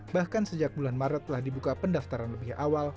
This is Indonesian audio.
bahkan sejak bulan maret telah dibuka pendaftaran lebih awal